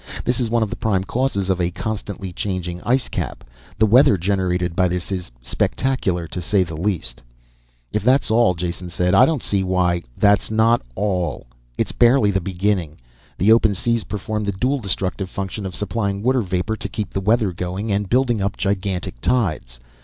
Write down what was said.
This is one of the prime causes of a constantly changing icecap. The weather generated by this is spectacular to say the least." "If that's all," Jason said, "I don't see why " "That's not all it's barely the beginning. The open seas perform the dual destructive function of supplying water vapor to keep the weather going, and building up gigantic tides.